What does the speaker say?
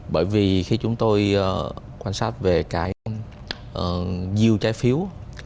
bởi vì khi chúng tôi quan sát về cái nhiều trái phiếu